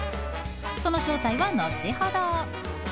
その正体は後ほど。